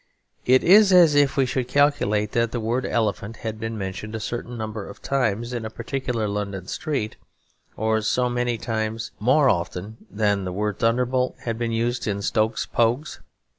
It is as if we should calculate that the word 'elephant' had been mentioned a certain number of times in a particular London street, or so many times more often than the word 'thunderbolt' had been used in Stoke Poges.